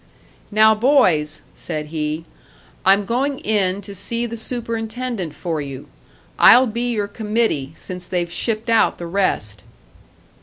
"Now, boys," said he, "I'm going in to see the superintendent for you. I'll be your committee, since they've shipped out the rest."